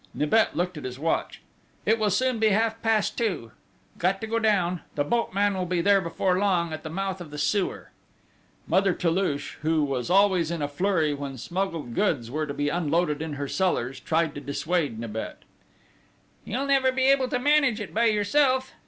Nibet looked at his watch: "It will soon be half past two! Got to go down! The boatman will be there before long, at the mouth of the sewer!" Mother Toulouche, who was always in a flurry when smuggled goods were to be unloaded in her cellars, tried to dissuade Nibet: "You'll never be able to manage it by yourself!"